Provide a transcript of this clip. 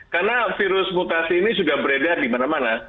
karena virus mutasi ini sudah beredar di mana mana